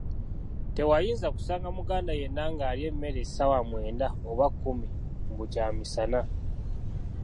Tewanyinza kusanga Muganda yenna ng'alya emmere essaawa mwenda oba kkumi mbu kyamisana !